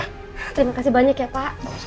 terima kasih banyak ya pak